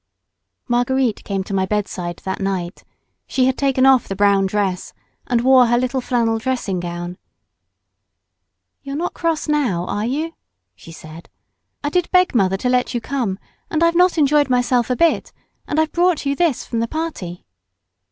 Marguerite came to my bedside that night; she had taken off the brown dress and wore her little flannel dressing gown. " You're not cross now, are you?" she said. "I did beg mother to let you come, and I've not enjoyed myself a bit, and I've brought you this from the party."